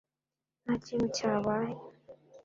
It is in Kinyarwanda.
nta kintu cyabaye